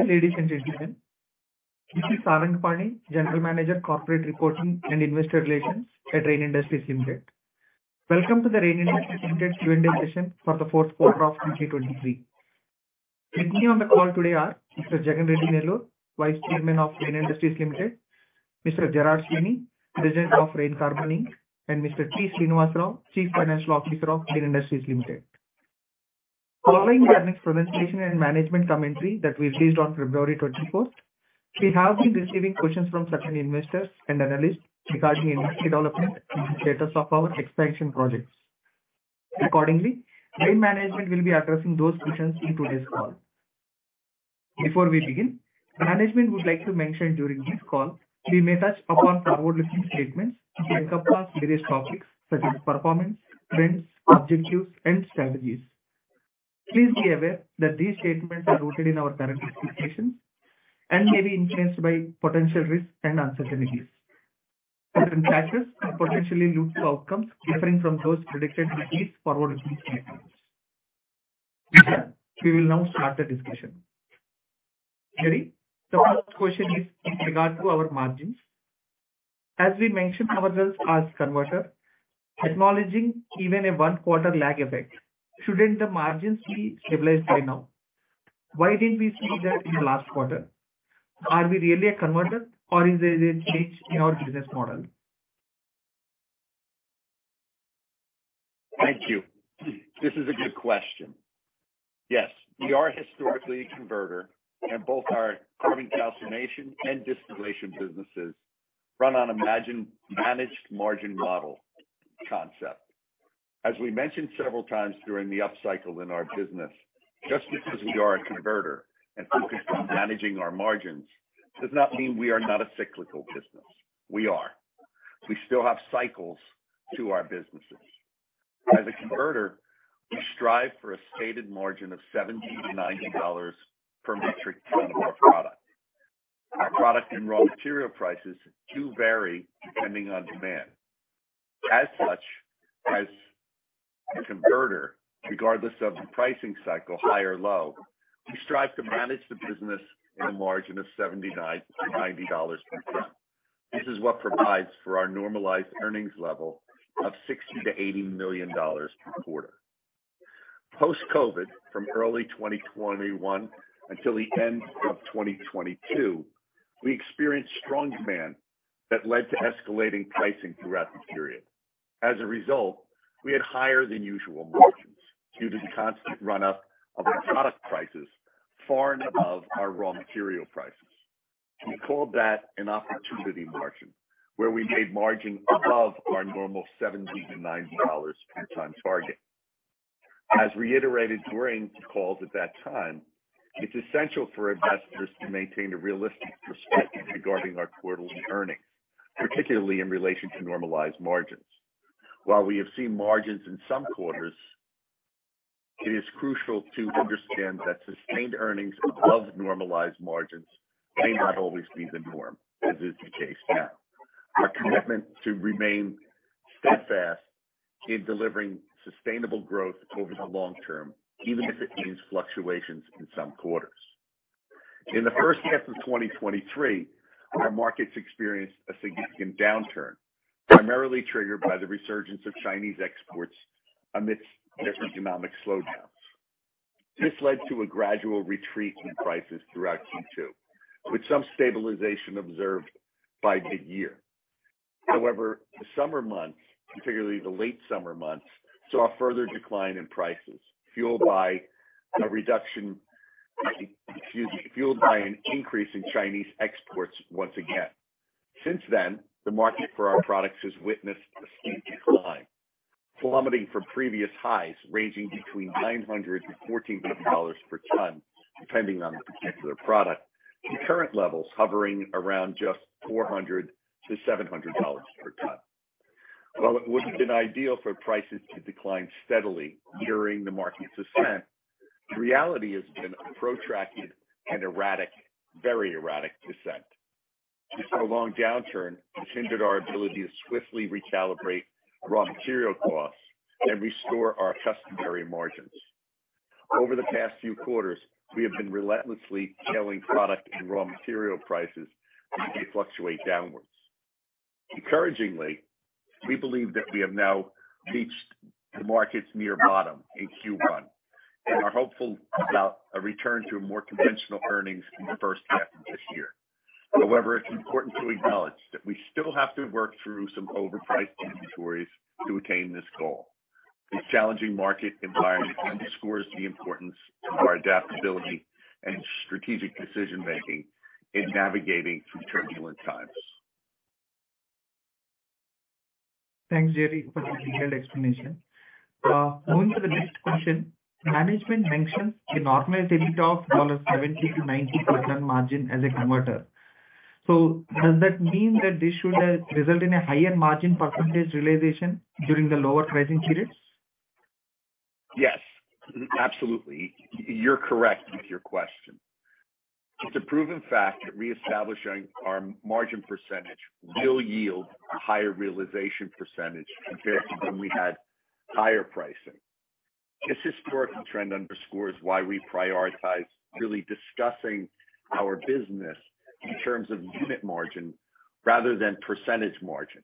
Ladies and gentlemen, this is Saranga Pani, General Manager, Corporate Reporting and Investor Relations at Rain Industries Limited. Welcome to the Rain Industries Limited Q&A session for the Q4 of 2023. With me on the call today are Mr. Jagan Reddy Nellore, Vice Chairman of Rain Industries Limited; Mr. Gerard Sweeney, President of Rain Carbon Inc.; and Mr. T. Srinivasa Rao, Chief Financial Officer of Rain Industries Limited. Following the earnings presentation and management commentary that we released on 21 February 2024, we have been receiving questions from certain investors and analysts regarding industry development and status of our expansion projects. Accordingly, Rain management will be addressing those questions in today's call. Before we begin, management would like to mention during this call, we may touch upon forward-looking statements and discuss various topics such as performance, trends, objectives, and strategies. Please be aware that these statements are rooted in our current expectations and may be influenced by potential risks and uncertainties. Certain factors could potentially lead to outcomes differing from those predicted in these forward-looking statements. With that, we will now start the discussion. Gerry, the first question is in regard to our margins. As we mentioned, our results as converter, acknowledging even a one quarter lag effect, shouldn't the margins be stabilized by now? Why didn't we see that in the last quarter? Are we really a converter or is there a change in our business model? Thank you. This is a good question. Yes, we are historically a converter, and both our carbon calcination and distillation businesses run on a margin, managed margin model concept. As we mentioned several times during the upcycle in our business, just because we are a converter and focused on managing our margins, does not mean we are not a cyclical business. We are. We still have cycles to our businesses. As a converter, we strive for a stated margin of $70-90 per metric ton of our product. Our product and raw material prices do vary depending on demand. As such, as a converter, regardless of the pricing cycle, high or low, we strive to manage the business in a margin of $79-90 per ton. This is what provides for our normalized earnings level of $60 to 80 million per quarter. Post-COVID, from early 2021 until the end of 2022, we experienced strong demand that led to escalating pricing throughout the period. As a result, we had higher than usual margins due to the constant run-up of our product prices, far and above our raw material prices. We called that an opportunity margin, where we made margin above our normal $70 to 90 per ton target. As reiterated during calls at that time, it's essential for investors to maintain a realistic perspective regarding our quarterly earnings, particularly in relation to normalized margins. While we have seen margins in some quarters, it is crucial to understand that sustained earnings above normalized margins may not always be the norm, as is the case now. Our commitment to remain steadfast in delivering sustainable growth over the long term, even if it means fluctuations in some quarters. In the H1 of 2023, our markets experienced a significant downturn, primarily triggered by the resurgence of Chinese exports amidst their economic slowdowns. This led to a gradual retreat in prices throughout Q2, with some stabilization observed by mid-year. However, the summer months, particularly the late summer months, saw a further decline in prices, fueled by a reduction, excuse me, fueled by an increase in Chinese exports once again. Since then, the market for our products has witnessed a steep decline, plummeting from previous highs ranging between $900 to 1,400 per ton, depending on the particular product, to current levels hovering around just $400 to 700 per ton. While it would have been ideal for prices to decline steadily during the market's descent, the reality has been a protracted and erratic, very erratic descent. A long downturn has hindered our ability to swiftly recalibrate raw material costs and restore our customary margins. Over the past few quarters, we have been relentlessly tailing product and raw material prices as they fluctuate downwards. Encouragingly, we believe that we have now reached the market's near bottom in Q1, and are hopeful about a return to more conventional earnings in the H1 of this year. However, it's important to acknowledge that we still have to work through some overpriced inventories to attain this goal. The challenging market environment underscores the importance of our adaptability and strategic decision making in navigating through turbulent times. Thanks, Gerry, for the detailed explanation. Moving to the next question. Management mentions a normalized EBITDA of 70 to 90% margin as a converter. So does that mean that this should result in a higher margin percentage realization during the lower pricing periods? Yes, absolutely. You're correct with your question. It's a proven fact that reestablishing our margin percentage will yield a higher realization percentage compared to when we had higher pricing. This historical trend underscores why we prioritize really discussing our business in terms of unit margin rather than percentage margin.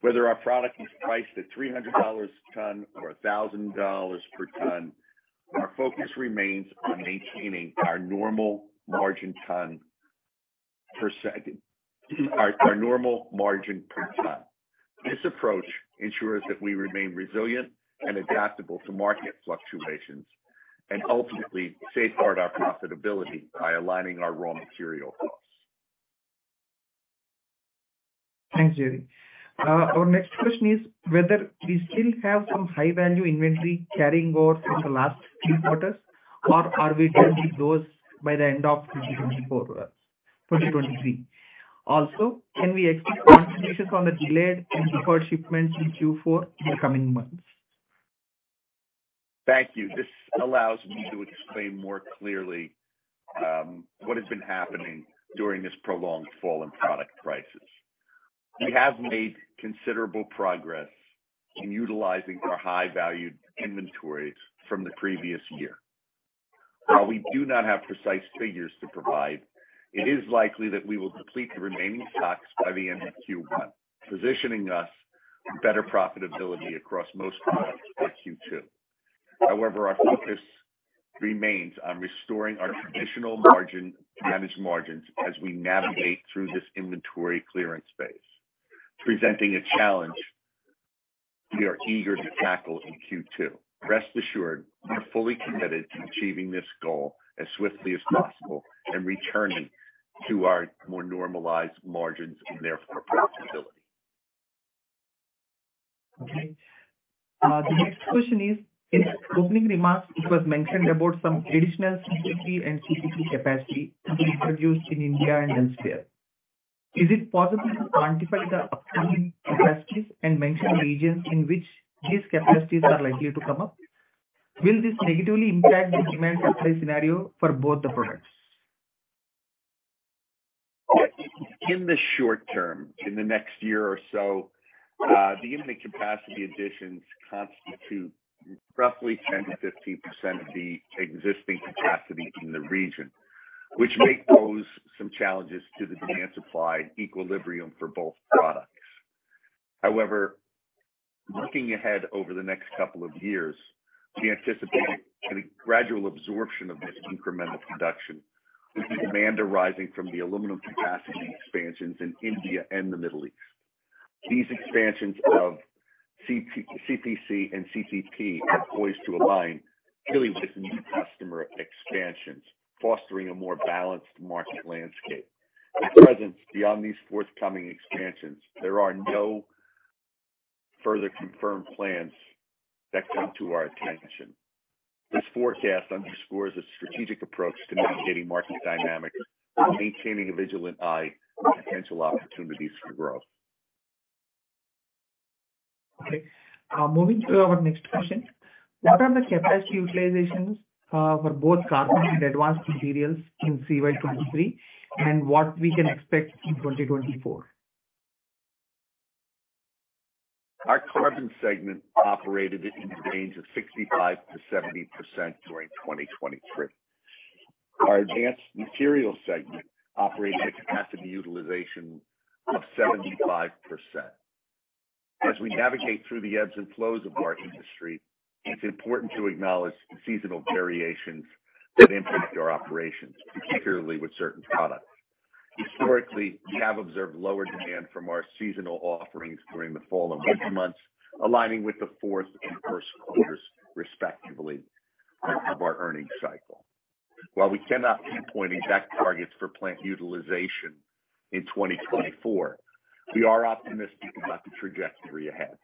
Whether our product is priced at $300 a ton or $1,000 per ton, our focus remains on maintaining our normal margin ton per second-- our, our normal margin per ton. This approach ensures that we remain resilient and adaptable to market fluctuations, and ultimately safeguard our profitability by aligning our raw material costs. Thanks, Gerry. Our next question is whether we still have some high-value inventory carrying over from the last few quarters, or are we doing those by the end of 2024, 2023? Also, can we expect contributions from the delayed and deferred shipments in Q4 in the coming months? Thank you. This allows me to explain more clearly what has been happening during this prolonged fall in product prices. We have made considerable progress in utilizing our high-valued inventories from the previous year. While we do not have precise figures to provide, it is likely that we will complete the remaining stocks by the end of Q1, positioning us for better profitability across most products by Q2. However, our focus remains on restoring our traditional margin, managed margins, as we navigate through this inventory clearance phase, presenting a challenge we are eager to tackle in Q2. Rest assured, we are fully committed to achieving this goal as swiftly as possible and returning to our more normalized margins and therefore, profitability. Okay. The next question is, in opening remarks, it was mentioned about some additional CPC and CTP capacity to be introduced in India and elsewhere. Is it possible to quantify the upcoming capacities and mention the regions in which these capacities are likely to come up? Will this negatively impact the demand supply scenario for both the products? In the short term, in the next year or so, the imminent capacity additions constitute roughly 10%-15% of the existing capacity in the region, which may pose some challenges to the demand/supply equilibrium for both products. However, looking ahead over the next couple of years, we anticipate a gradual absorption of this incremental production, with the demand arising from the aluminum capacity expansions in India and the Middle East. These expansions of CPC and CTP are poised to align really with new customer expansions, fostering a more balanced market landscape. At present, beyond these forthcoming expansions, there are no further confirmed plans that come to our attention. This forecast underscores a strategic approach to navigating market dynamics, maintaining a vigilant eye on potential opportunities for growth. Okay, moving to our next question. What are the capacity utilizations for both carbon and advanced materials in FY 2023, and what we can expect in 2024? Our carbon segment operated in the range of 65%-70% during 2023. Our advanced materials segment operated at capacity utilization of 75%. As we navigate through the ebbs and flows of our industry, it's important to acknowledge the seasonal variations that impact our operations, particularly with certain products. Historically, we have observed lower demand from our seasonal offerings during the fall and winter months, aligning with the fourth and first quarters, respectively, of our earnings cycle. While we cannot pinpoint exact targets for plant utilization in 2024, we are optimistic about the trajectory ahead.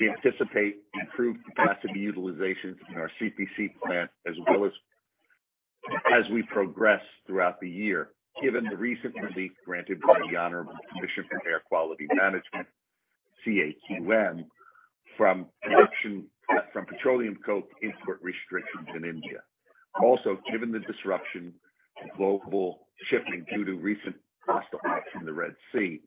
We anticipate improved capacity utilizations in our CPC plant, as well as we progress throughout the year, given the recent relief granted by the Honorable Commission for Air Quality Management, CAQM, from petroleum coke import restrictions in India. Also, given the disruption to global shipping due to recent hostilities in the Red Sea,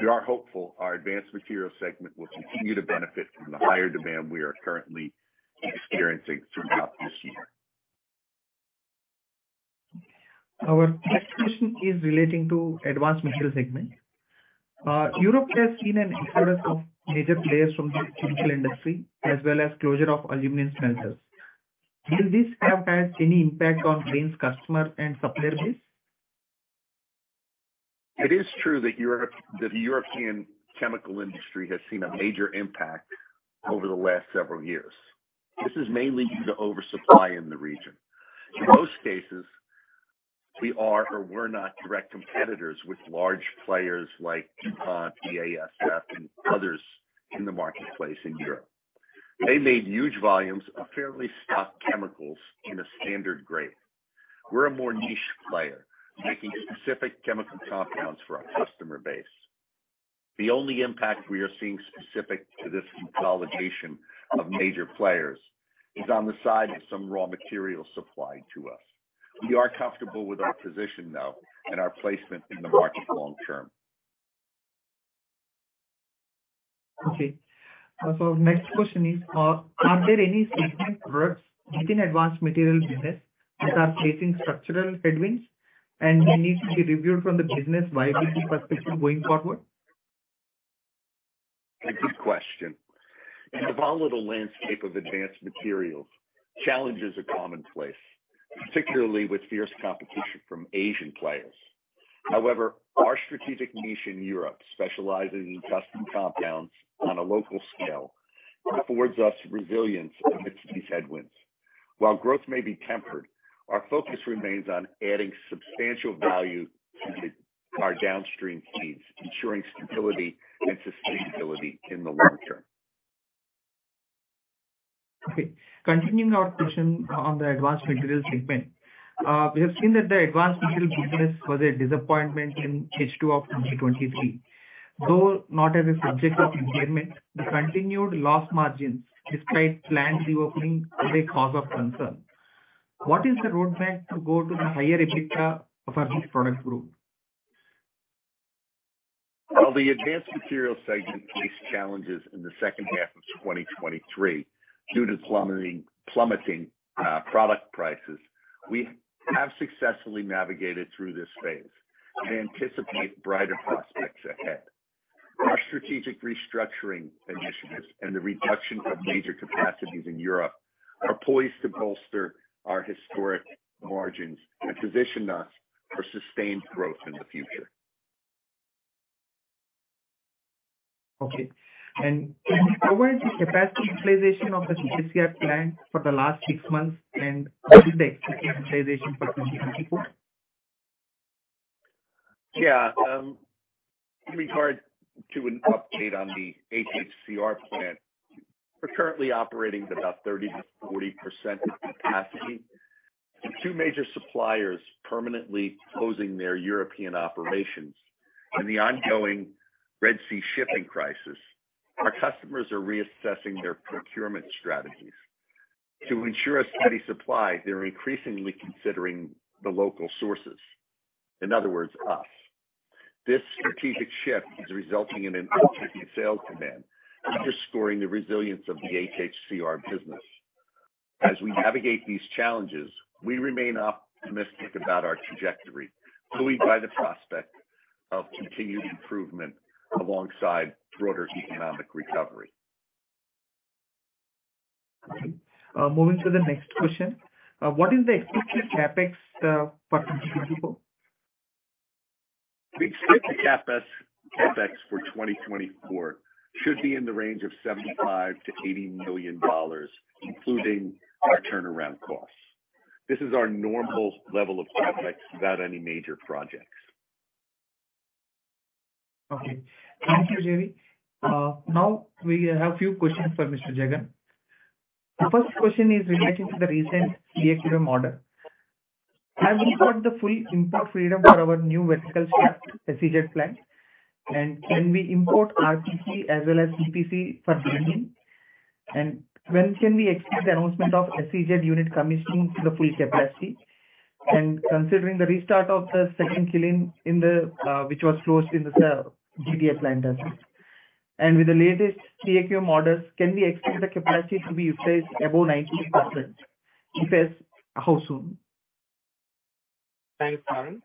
we are hopeful our advanced materials segment will continue to benefit from the higher demand we are currently experiencing throughout this year. Our next question is relating to advanced material segment. Europe has seen an exodus of major players from the chemical industry, as well as closure of aluminum smelters. Will this have had any impact on Rain's customer and supplier base? It is true that the European chemical industry has seen a major impact over the last several years. This is mainly due to oversupply in the region. In most cases, we are or were not direct competitors with large players like DuPont, BASF, and others in the marketplace in Europe. They made huge volumes of fairly stock chemicals in a standard grade. We're a more niche player, making specific chemical compounds for our customer base. The only impact we are seeing specific to this consolidation of major players is on the side of some raw material supplied to us. We are comfortable with our position, though, and our placement in the market long term.... Okay. So next question is, are there any segment products within advanced material business that are facing structural headwinds, and they need to be reviewed from the business viability perspective going forward? A good question. In the volatile landscape of advanced materials, challenges are commonplace, particularly with fierce competition from Asian players. However, our strategic niche in Europe, specializing in custom compounds on a local scale, affords us resilience amidst these headwinds. While growth may be tempered, our focus remains on adding substantial value to our downstream needs, ensuring stability and sustainability in the long term. Okay, continuing our question on the advanced materials segment. We have seen that the advanced material business was a disappointment in H2 of 2023. Though not as a subject of impairment, the continued loss margins despite plant reopening is a cause of concern. What is the roadmap to go to the higher EBITDA for this product group? While the advanced materials segment faced challenges in the H2 of 2023 due to plummeting product prices, we have successfully navigated through this phase and anticipate brighter prospects ahead. Our strategic restructuring initiatives and the reduction of major capacities in Europe are poised to bolster our historic margins and position us for sustained growth in the future. Okay. And how was the capacity utilization of the HHCR plant for the last six months, and what is the expected utilization for 2024? Yeah. With regard to an update on the HHCR plant, we're currently operating at about 30%-40% capacity. Two major suppliers permanently closing their European operations and the ongoing Red Sea shipping crisis, our customers are reassessing their procurement strategies. To ensure a steady supply, they're increasingly considering the local sources, in other words, us. This strategic shift is resulting in an uptick in sales demand, underscoring the resilience of the HHCR business. As we navigate these challenges, we remain optimistic about our trajectory, buoyed by the prospect of continued improvement alongside broader economic recovery. Okay. Moving to the next question. What is the expected CapEx for 2024? The expected CapEx for 2024 should be in the range of $75 to 80 million, including our turnaround costs. This is our normal level of CapEx without any major projects. Okay. Thank you, Gerry. Now we have a few questions for Mr. Jagan. The first question is relating to the recent CAQM order. Have we got the full import freedom for our new vertical shaft SEZ plant? And can we import RPC as well as CPC for kilning? And when can we expect the announcement of SEZ unit commissioning to the full capacity? And considering the restart of the second kilning in the, which was closed in the, GPS plant. And with the latest CAQM orders, can we expect the capacity to be utilized above 90%, if yes, how soon? Thanks, Sarang.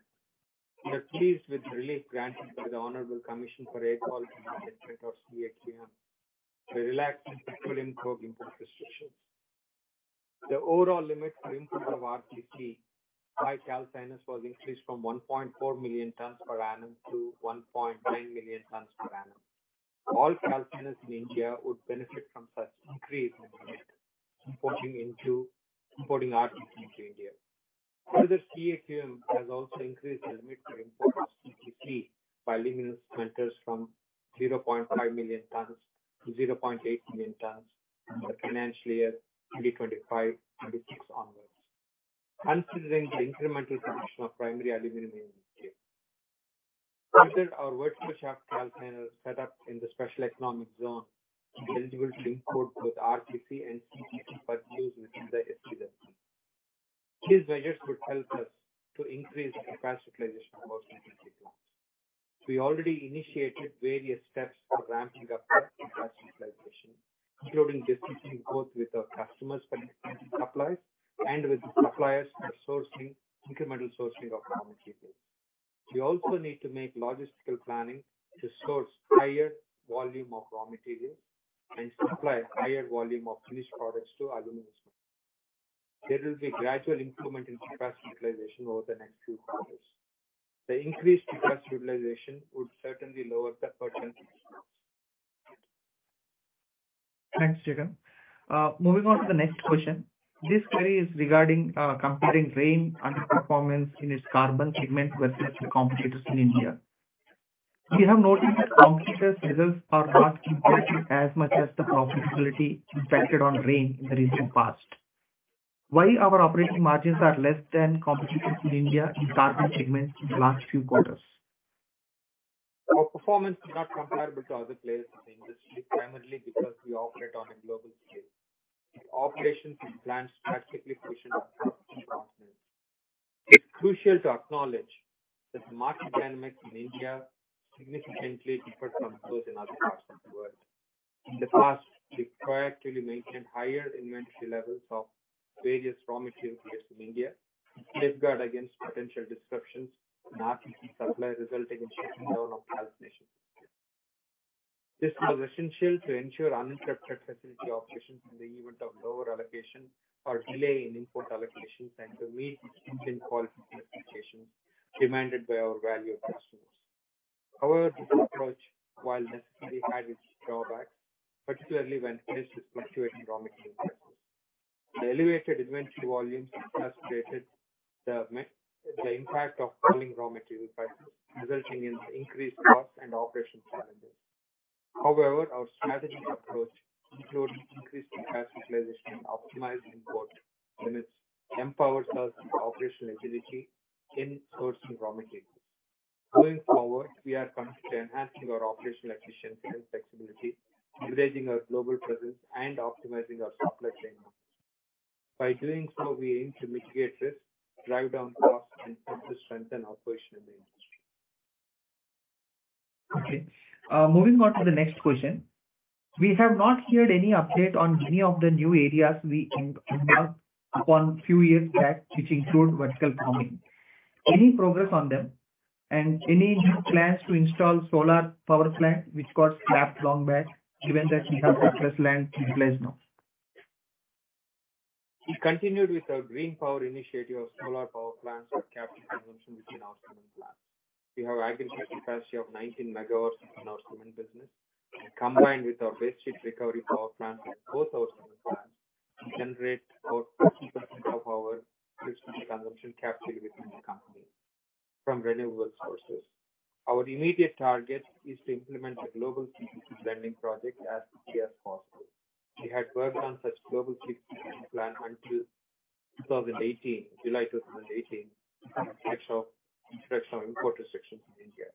We are pleased with the relief granted by the Honorable Commission for Air Quality Management of CAQM, to relax the import restrictions. The overall limit for import of RPC by calciners was increased from 1.4 million tons per annum to 1.9 million tons per annum. All calciners in India would benefit from such increase in limit, importing into, importing RPC into India. Further, CAQM has also increased the limit for import of CPC by limiting smelters from 0.5 million tons to 0.8 million tons for the financial year 2025, 2026 onwards, considering the incremental production of primary aluminum in India. Consider our vertical shaft calciner set up in the special economic zone, eligible to import both RPC and CPC, but used within the SEZ. These measures could help us to increase the capacity utilization of our CPC plants. We already initiated various steps for ramping up capacity utilization, including discussing both with our customers for supplies and with the suppliers for sourcing, incremental sourcing of raw materials. We also need to make logistical planning to source higher volume of raw materials and supply higher volume of finished products to aluminum. There will be gradual improvement in capacity utilization over the next few quarters. The increased capacity utilization would certainly lower the per ton costs. Thanks, Jagan. Moving on to the next question. This query is regarding comparing Rain underperformance in its carbon segment versus the competitors in India. We have noted that competitors' results are not impacted as much as the profitability impacted on Rain in the recent past. Why our operating margins are less than competitors in India in carbon segment in the last few quarters? Our performance is not comparable to other players in the industry, primarily because we operate on a global scale. Operations and plants strategically positioned across the continents. It's crucial to acknowledge that the market dynamics in India significantly differ from those in other parts of the world. In the past, we proactively maintained higher inventory levels of various raw material in India to safeguard against potential disruptions in RTP supply, resulting in lower allocation. This was essential to ensure uninterrupted facility operations in the event of lower allocation or delay in import allocations, and to meet quality specifications demanded by our valued customers. However, this approach, while necessary, had its drawbacks, particularly when faced with fluctuating raw material prices. The elevated inventory volumes frustrated the impact of falling raw material prices, resulting in increased costs and operational challenges. However, our strategic approach includes increased capitalization and optimized import limits, empowers us with operational agility in sourcing raw materials. Going forward, we are committed to enhancing our operational efficiency and flexibility, leveraging our global presence and optimizing our supply chain. By doing so, we aim to mitigate risk, drive down costs, and further strengthen our position in the industry. Okay, moving on to the next question. We have not heard any update on any of the new areas we embarked upon few years back, which include vertical farming. Any progress on them, and any new plans to install solar power plant, which got slapped long back, given that we have surplus land in place now? We continued with our green power initiative of solar power plants for captive consumption within our cement plant. We have aggregate capacity of 19 megawatts in our cement business, and combined with our waste heat recovery power plant at both our cement plants, we generate about 50% of our electrical consumption capacity within the company from renewable sources. Our immediate target is to implement the global CPC blending project as soon as possible. We had worked on such global CPC plan until 2018, July 2018, actual introduction of import restrictions in India.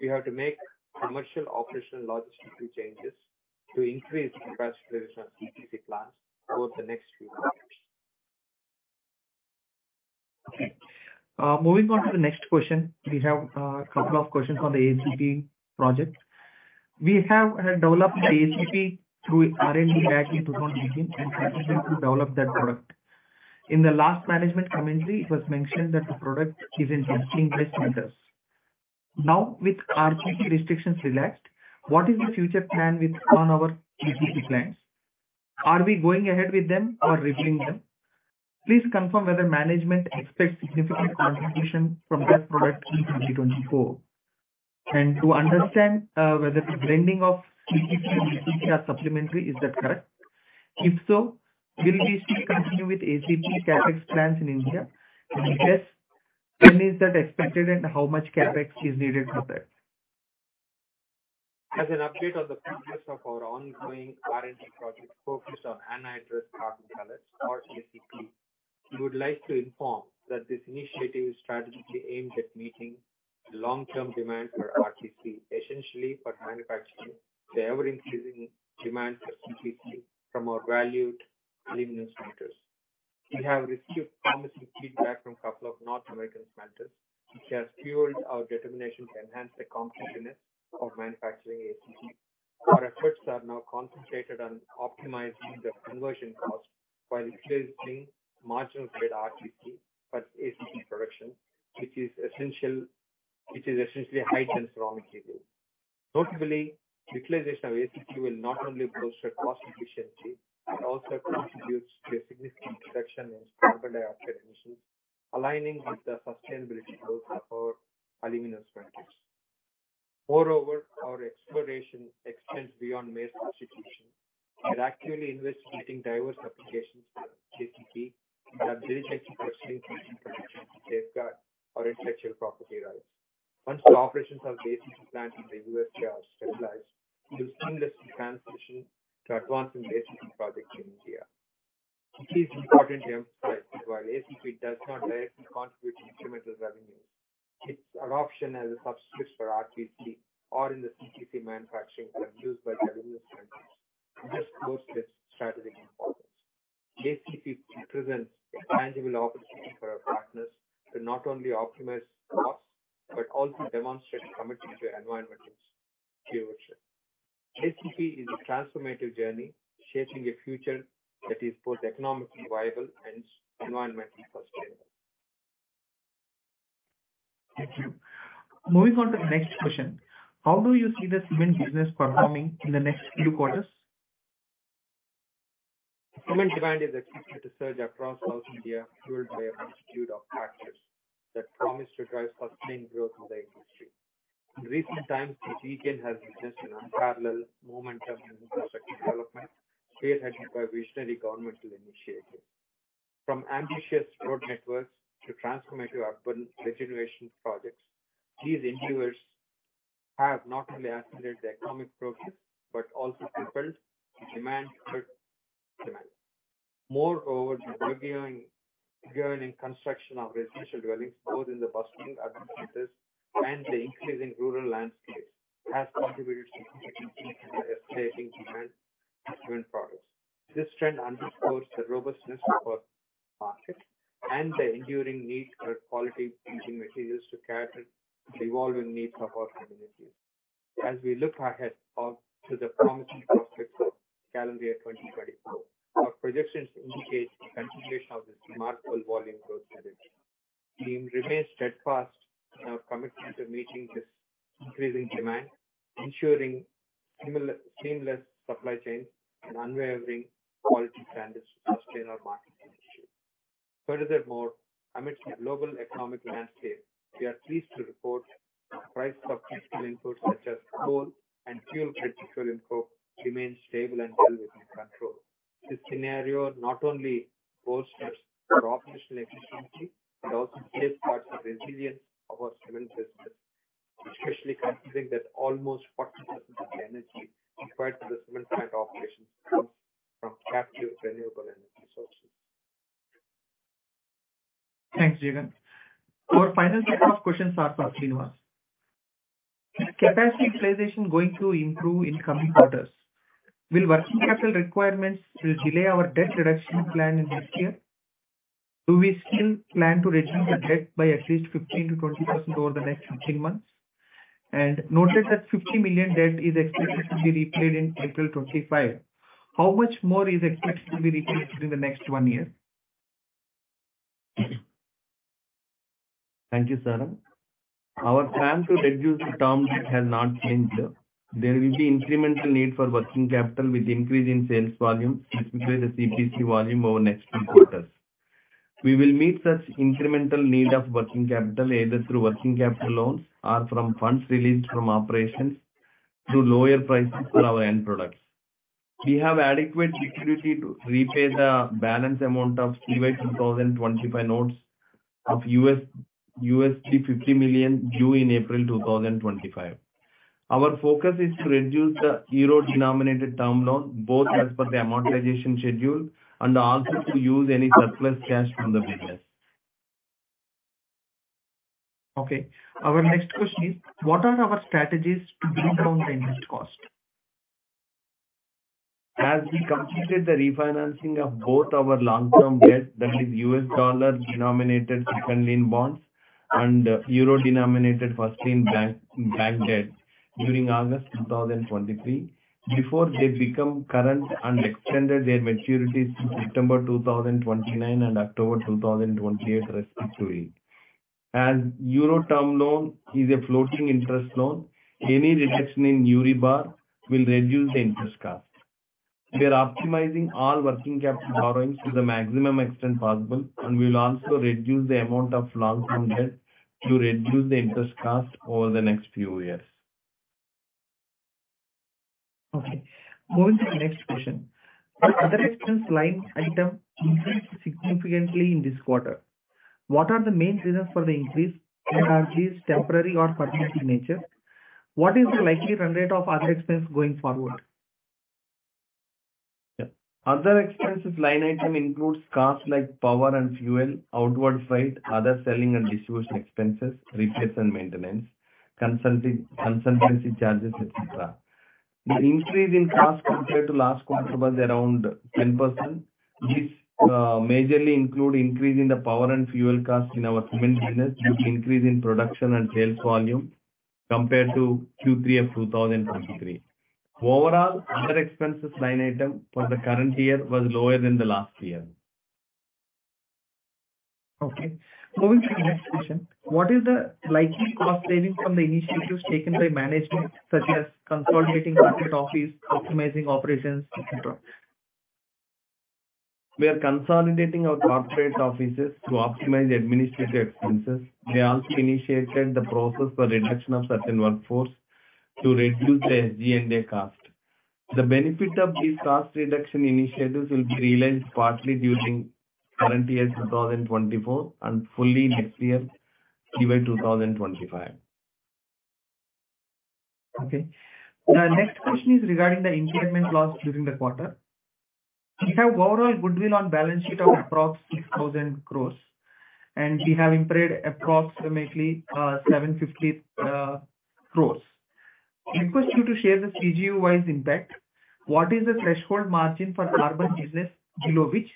We have to make commercial, operational, and logistical changes to increase the capacity utilization of CPC plants over the next few years. Okay. Moving on to the next question. We have a couple of questions on the ACP project. We have developed the ACP through R&D back in 2018, and to develop that product. In the last management commentary, it was mentioned that the product is in testing by vendors. Now, with RTP restrictions relaxed, what is the future plan with on our ACP plans? Are we going ahead with them or reviewing them? Please confirm whether management expects significant contribution from that product in 2024. And to understand whether the blending of CCP and CPC are supplementary, is that correct? If so, will we still continue with ACP CapEx plans in India? If yes, when is that expected and how much CapEx is needed for that? As an update on the progress of our ongoing R&D project focused on Anhydrous Carbon Pellets, or ACP, we would like to inform that this initiative is strategically aimed at meeting the long-term demand for RTP, essentially for manufacturing the ever-increasing demand for CPC from our valued aluminum centers. We have received promising feedback from a couple of North American vendors, which has fueled our determination to enhance the competitiveness of manufacturing ACP. Our efforts are now concentrated on optimizing the conversion cost while increasing marginal grade RTP per ACP production, which is essentially a high-density raw material. Notably, utilization of ACP will not only boost the cost efficiency, but also contributes to a significant reduction in carbon dioxide emissions, aligning with the sustainability goals of our aluminum strategies. Moreover, our exploration extends beyond mere substitution. We're actively investigating diverse applications for ACP that detect personally protection, safeguard, or intellectual property rights. Once the operations of the ACP plant in the U.S. are stabilized, we'll seamlessly transition to advancing the ACP project in India. It is important to emphasize that while ACP does not directly contribute to incremental revenues, its adoption as a substitute for RTP or in the CPC manufacturing are used by aluminum centers just boasts its strategic importance. ACP presents a tangible opportunity for our partners to not only optimize costs, but also demonstrate commitment to environmental stewardship. ACP is a transformative journey, shaping a future that is both economically viable and environmentally sustainable. Thank you. Moving on to the next question: How do you see the cement business performing in the next few quarters? Cement demand is expected to surge across South India, fueled by a multitude of factors that promise to drive sustained growth in the industry. In recent times, the region has witnessed an unparalleled momentum in infrastructure development, created by visionary governmental initiatives. From ambitious road networks to transformative urban regeneration projects, these endeavors have not only accelerated the economic progress, but also propelled the demand for demand. Moreover, the burgeoning construction of residential dwellings, both in the bustling urban centers and the increasing rural landscapes, has contributed significantly to the escalating demand.... cement products. This trend underscores the robustness of our market and the enduring need for quality building materials to cater to the evolving needs of our communities. As we look ahead to the promising prospects of calendar year 2024, our projections indicate the continuation of this remarkable volume growth strategy. team remains steadfast in our commitment to meeting this increasing demand, ensuring seamless supply chain and unwavering quality standards to sustain our market leadership. Furthermore, amidst the global economic landscape, we are pleased to report the price of critical inputs, such as coal and fuel; the critical input remains stable and well within control. This scenario not only bolsters our operational efficiency, but also plays a part in the resilience of our cement business, especially considering that almost 40% of the energy required for the cement plant operations comes from captive renewable energy sources. Thanks, Jagan. Our final set of questions are for Srinivas. Capacity utilization going to improve in coming quarters? Will working capital requirements will delay our debt reduction plan in next year? Do we still plan to reduce the debt by at least 15%-20% over the next 18 months? And noted that $50 million debt is expected to be repaid in April 2025. How much more is expected to be repaid during the next one year? Thank you, Saran. Our plan to reduce the term debt has not changed, though. There will be incremental need for working capital with increase in sales volume, especially the CPC volume over next few quarters. We will meet such incremental need of working capital, either through working capital loans or from funds released from operations to lower prices for our end products. We have adequate security to repay the balance amount of FY 2025 notes of U.S. USD $50 million due in April 2025. Our focus is to reduce the euro-denominated term loan, both as per the amortization schedule and also to use any surplus cash from the business. Okay, our next question is, What are our strategies to bring down the interest cost? As we completed the refinancing of both our long-term debt, that is U.S. dollar-denominated second lien bonds and euro-denominated first lien bank debt during August 2023, before they become current and extended their maturities to September 2029 and October 2028, respectively. As euro term loan is a floating interest loan, any reduction in EURIBOR will reduce the interest cost. We are optimizing all working capital borrowings to the maximum extent possible, and we will also reduce the amount of long-term debt to reduce the interest cost over the next few years. Okay, moving to the next question. Other expense line item increased significantly in this quarter. What are the main reasons for the increase, and are these temporary or permanent in nature? What is the likely run rate of other expense going forward? Yeah. Other expenses line item includes costs like power and fuel, outward freight, other selling and distribution expenses, repairs and maintenance, consulting, consultancy charges, etcetera. The increase in cost compared to last quarter was around 10%, which, majorly include increase in the power and fuel cost in our cement business with increase in production and sales volume compared to Q3 of 2023. Overall, other expenses line item for the current year was lower than the last year. Okay, moving to the next question: What is the likely cost savings from the initiatives taken by management, such as consolidating corporate office, optimizing operations, etcetera? We are consolidating our corporate offices to optimize administrative expenses. We also initiated the process for reduction of certain workforce to reduce the SG&A cost. The benefit of these cost reduction initiatives will be realized partly during current year, 2024, and fully next year, FY 2025. Okay. The next question is regarding the impairment loss during the quarter. We have overall goodwill on balance sheet of approximately 6,000 crore, and we have impaired approximately 750 crore. Request you to share the CGU-wise impact. What is the threshold margin for carbon business below which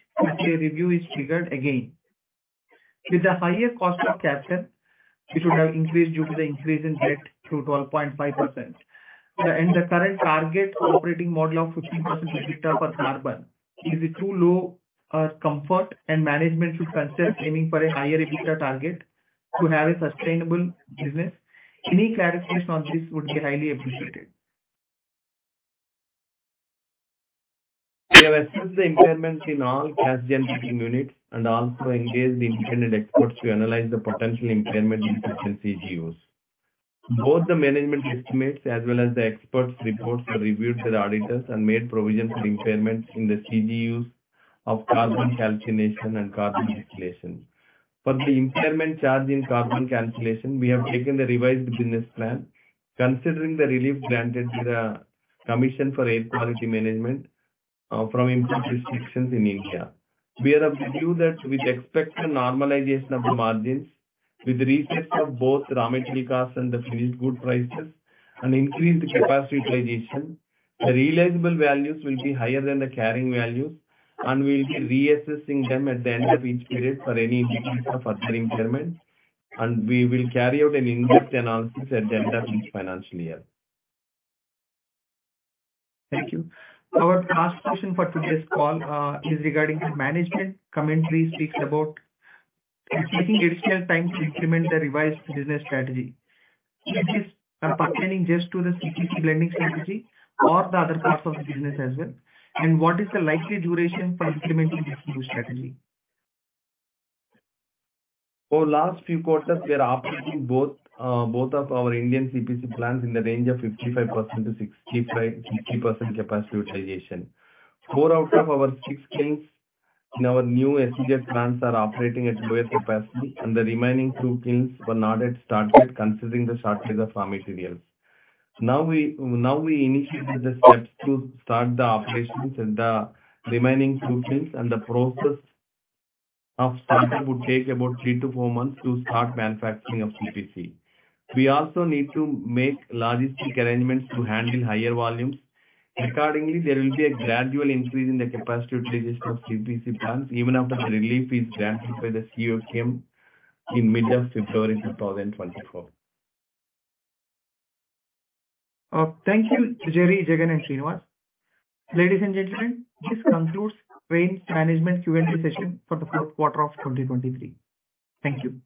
a review is triggered again? With the higher cost of capital, it would have increased due to the increase in debt to 12.5%. The current target operating model of 15% EBITDA for carbon, is it too low comfort, and management should consider aiming for a higher EBITDA target to have a sustainable business? Any clarification on this would be highly appreciated. We have assessed the impairments in all Cash Generating Units and also engaged independent experts to analyze the potential impairment in different CGUs. Both the management estimates as well as the experts' reports were reviewed with auditors and made provision for impairments in the CGUs of carbon calcination and carbon utilization. For the impairment charge in carbon calcination, we have taken the revised business plan, considering the relief granted by the Commission for Air Quality Management from import restrictions in India. We are of the view that with expected normalization of the margins, with the reset of both raw material costs and the finished good prices and increased capacity utilization, the realizable values will be higher than the carrying values, and we will be reassessing them at the end of each period for any indication of further impairment, and we will carry out an in-depth analysis at the end of each financial year. Thank you. Our last question for today's call is regarding management commentary speaks about taking additional time to implement the revised business strategy. Is this pertaining just to the CPC blending strategy or the other parts of the business as well? And what is the likely duration for implementing this new strategy? For the last few quarters, we are operating both of our Indian CPC plants in the range of 55%-65%, 60% capacity utilization. Four out of our six kilns in our new SEZ plants are operating at lower capacity, and the remaining two kilns were not yet started, considering the shortage of raw materials. Now we initiated the steps to start the operations at the remaining two kilns, and the process of startup would take about three to four months to start manufacturing of CPC. We also need to make logistic arrangements to handle higher volumes. Accordingly, there will be a gradual increase in the capacity utilization of CPC plants, even after the relief is granted by the CAQM in mid-February 2024. Thank you, Jerry, Jagan, and Srinivas. Ladies and gentlemen, this concludes Rain's management Q&A session for the fourth quarter of 2023. Thank you.